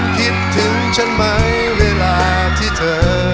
คิดถึงฉันไหมเวลาที่เธอ